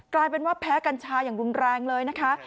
กลายเป็นว่าแพ้กัญชาอย่างรุนแรงเลยนะคะ